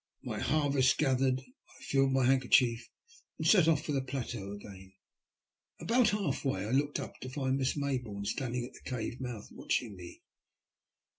My harvest gathered, I filled my handkerchief and set THE SALVAGES. 161 off for the plateau again. About half way I looked up, to find Miss Mayboume standing at the cave mouth watching me.